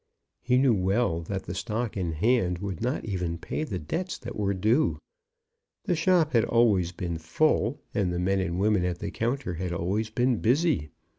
He knew well that the stock on hand would not even pay the debts that were due. The shop had always been full, and the men and women at the counter had always been busy.